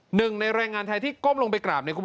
หนึ่งในรายงานไทยที่ก้มลงไปกราบ